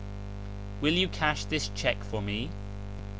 Will you cash this cheque for me